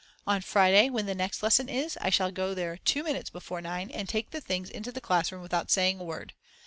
On Friday, when the next lesson is, I shall go there 2 minutes before nine and take the things into the class room without saying a word.